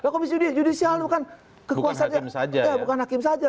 komisi judisial bukan hakim saja